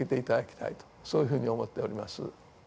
そういうふうに思っております。